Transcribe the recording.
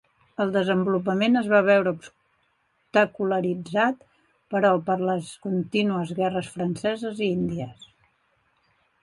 El desenvolupament es va veure obstaculitzat, però, per les contínues guerres franceses i índies.